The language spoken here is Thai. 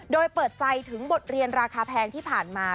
โดยเปิดใจถึงบทเรียนราคาแพงที่ผ่านมา